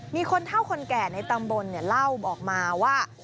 มีคนเท่าคนแก่ในตำบลเล่าออกมาว่า